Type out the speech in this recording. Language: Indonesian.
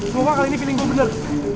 pokoknya kali ini feeling gua bener